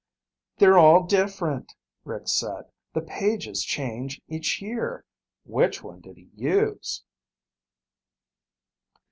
"They're all different," Rick said. "The pages change each year. Which one did he use?"